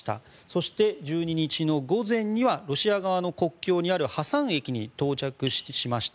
そして、１２日の午前にはロシア側の国境にあるハサン駅に到着しました。